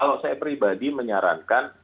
kalau saya pribadi menyarankan